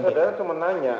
ya kan saudara cuma nanya